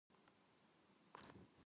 朝マックしたい。